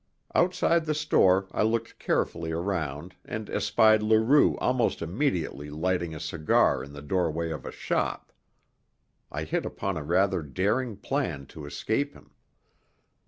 Outside the store I looked carefully around and espied Leroux almost immediately lighting a cigar in the doorway of a shop. I hit upon a rather daring plan to escape him.